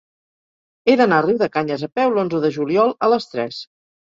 He d'anar a Riudecanyes a peu l'onze de juliol a les tres.